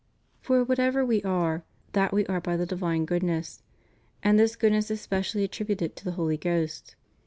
For whatever we are, that we are by the divine goodness; and this good ness is specially attributed to the Holy Ghost.